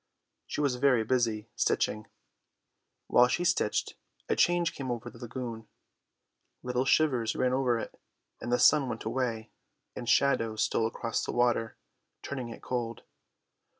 She was very busy, stitching. While she stitched a change came to the lagoon. Little shivers ran over it, and the sun went away and shadows stole across the water, turning it cold.